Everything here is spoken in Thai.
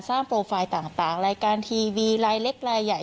โปรไฟล์ต่างรายการทีวีลายเล็กลายใหญ่